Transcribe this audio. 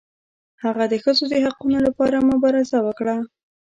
هغه د ښځو د حقونو لپاره مبارزه وکړه.